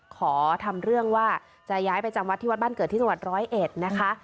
ขอทำเรื่องว่าจะย้ายไปจำวัดที่วัดบ้านเกิดที่สวรรค์๑๐๑นะคะ